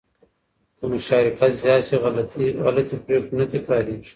که مشارکت زیات شي، غلطې پرېکړې نه تکرارېږي.